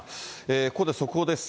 ここで速報です。